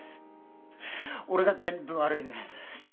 俺が全部悪いねん。